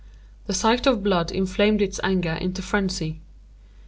The sight of blood inflamed its anger into phrenzy.